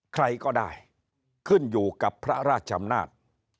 ใครก็ได้ขึ้นอยู่กับพระราชอำนาจ